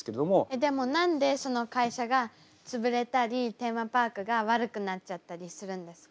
えっでも何でその会社がつぶれたりテーマパークが悪くなっちゃったりするんですか？